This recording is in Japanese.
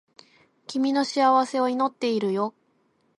君の幸せを祈っているよ